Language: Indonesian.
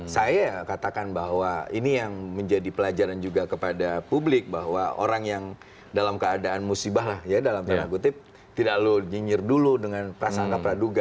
saya katakan bahwa ini yang menjadi pelajaran juga kepada publik bahwa orang yang dalam keadaan musibah lah ya dalam tanda kutip tidak lu nyinyir dulu dengan prasangka praduga